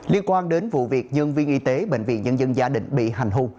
liên quan đến vụ việc nhân viên y tế bệnh viện nhân dân gia đình bị hành hù